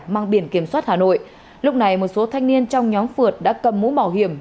mang biển kiểm soát hà nội lúc này một số thanh niên trong nhóm phượt đã cầm mũ bảo hiểm